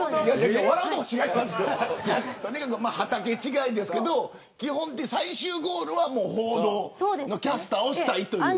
とにかく畑違いですけれど最終ゴールは、報道のキャスターをしたいという。